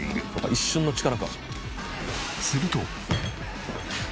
「一瞬の力か」